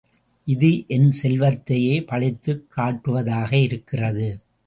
இது என் செல்வத்தையே பழித்துக் காட்டுவதாக இருக்கிறது.